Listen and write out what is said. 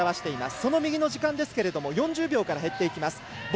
その右の時間は４０秒から減っていきます。